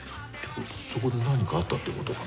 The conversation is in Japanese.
そこで何かあったってことかな？